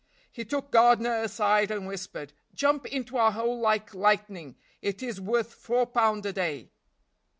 He took Gardiner aside and whispered, "Jump into our hole like lightning, it is worth four pound a day."